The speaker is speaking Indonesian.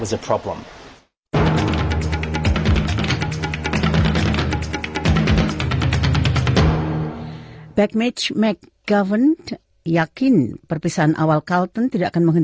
masalah pertama bukan pendidikan saya